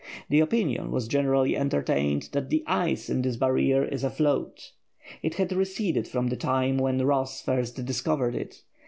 The opinion was generally entertained that the ice in this barrier is afloat. It had receded from the time when Ross first discovered it.